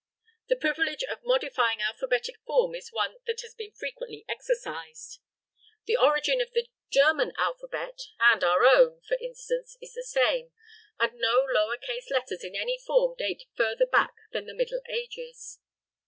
The privilege of modifying alphabetic form is one that has been frequently exercised. The origin of the German alphabet and our own, for instance, is the same, and no lower case letters in any form date further back than the Middle Ages.